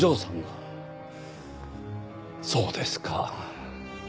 そうですか。